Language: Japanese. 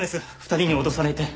２人に脅されて。